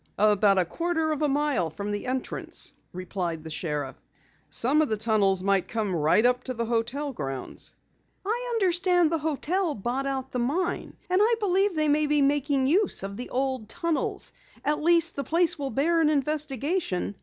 "About a quarter of a mile from the entrance," replied the sheriff. "Some of the tunnels might come right up to the hotel grounds." "I understand the hotel bought out the mine, and I believe they may be making use of the old tunnels. At least, the place will bear an investigation.